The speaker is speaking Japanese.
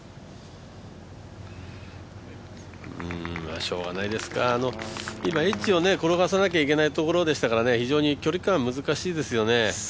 しようがないですか、今エッジを転がさなきゃいけないところでしたから非常に距離感難しいですよね。